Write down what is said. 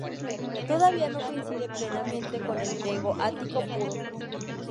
Todavía no coincide plenamente con el griego ático puro.